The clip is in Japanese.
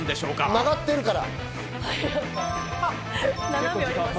曲がってるから。